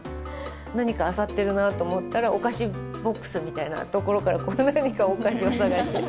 何かあさってるなと思ったら、お菓子ボックスみたいな所からこう、何かお菓子を探してる。